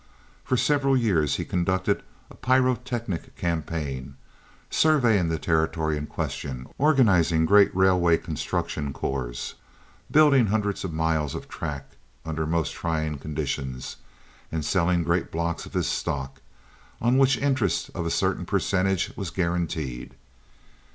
For several years he conducted a pyrotechnic campaign, surveying the territory in question, organizing great railway construction corps, building hundreds of miles of track under most trying conditions, and selling great blocks of his stock, on which interest of a certain percentage was guaranteed.